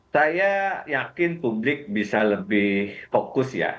saya yakin publik bisa lebih fokus ya